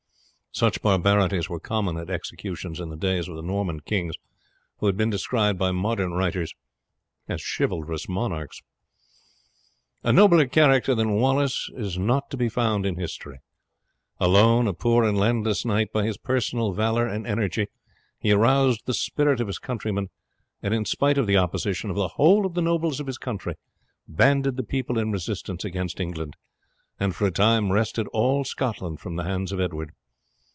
Such barbarities were common at executions in the days of the Norman kings, who have been described by modern writers as chivalrous monarchs. A nobler character than Wallace is not to be found in history. Alone, a poor and landless knight, by his personal valour and energy he aroused the spirit of his countrymen, and in spite of the opposition of the whole of the nobles of his country banded the people in resistance against England, and for a time wrested all Scotland from the hands of Edward.